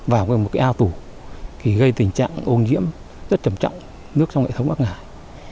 vào vào một cái ao tù thì gây tình trạng ôn diễm rất trầm trọng nước trong hệ thống bắc hải